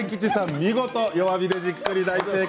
見事弱火でじっくり、大正解。